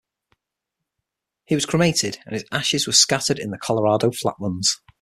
He was cremated, and his ashes were scattered in the Colorado flatlands.